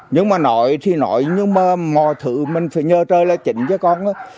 nhưng mà nội thì nội nhưng mà mọi thứ mình phải nhờ trời là chỉnh với con